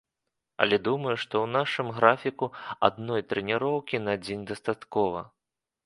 Але думаю, што ў нашым графіку адной трэніроўкі на дзень дастаткова.